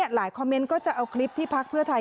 คอมเมนต์ก็จะเอาคลิปที่พักเพื่อไทย